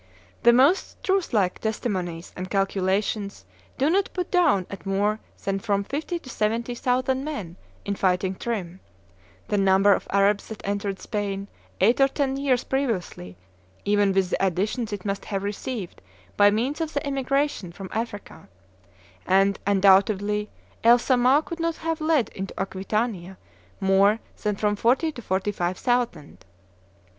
The most truth like testimonies and calculations do not put down at more than from fifty to seventy thousand men, in fighting trim, the number of Arabs that entered Spain eight or ten years previously, even with the additions it must have received by means of the emigrations from Africa; and undoubtedly El Samah could not have led into Aquitania more than from forty to forty five thousand.